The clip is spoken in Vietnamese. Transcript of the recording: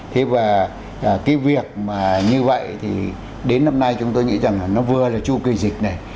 thế và cái việc mà như vậy thì đến năm nay chúng tôi nghĩ rằng là nó vừa là chu kỳ dịch này